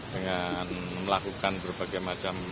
dengan melakukan berbagai macam